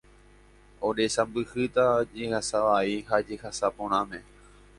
oresãmbyhýta jehasa vai ha jehasa porãme